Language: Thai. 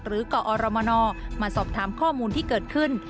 กอรมนมาสอบถามข้อมูลที่เกิดขึ้น